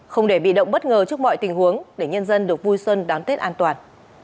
không để bị động bất ngờ trước mọi tình huống để nhân dân được vui xuân đón tết an toàn